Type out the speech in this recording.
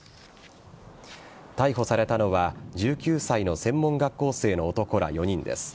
逮捕されたのは１９歳の専門学校生の男ら４人です。